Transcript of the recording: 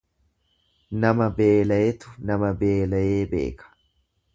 Nama beelayetu nama beelayee beeka.